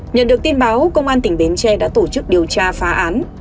nhận được tin báo công an tỉnh bến tre đã tổ chức điều tra phá án